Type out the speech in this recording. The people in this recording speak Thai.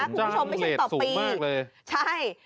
คุณผู้ชมไม่ใช่ต่อปีใช่